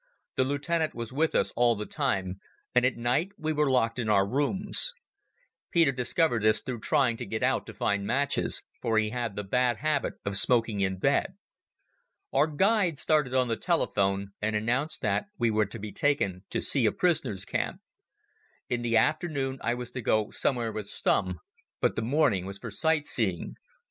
The lieutenant was with us all the time, and at night we were locked in our rooms. Peter discovered this through trying to get out to find matches, for he had the bad habit of smoking in bed. Our guide started on the telephone, and announced that we were to be taken to see a prisoners' camp. In the afternoon I was to go somewhere with Stumm, but the morning was for sight seeing.